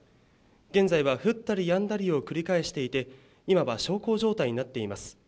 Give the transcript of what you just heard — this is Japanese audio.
現在は降ったりやんだりを繰り返していて、今は小康状態になっています。